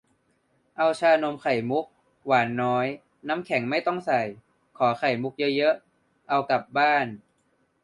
เอาชานมไข่มุก หวานน้อย น้ำแข็งไม่ต้องใส่ ขอไข่มุกเยอะ ๆ เอากลับบ้าน